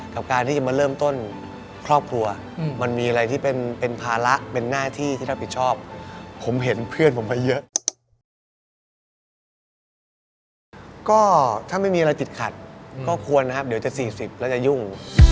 ก็ถ้ามันมีอะไรติดขัดก็ควรนะครับเดี๋ยวจะสีสิบแล้วยุ่ง